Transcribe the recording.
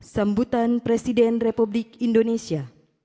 sambutan presiden republik indonesia